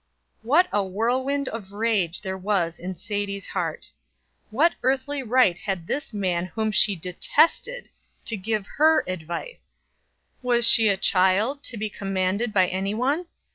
What a whirlwind of rage there was in Sadie's heart! What earthly right had this man whom she detested to give her advice? Was she a child, to be commanded by any one?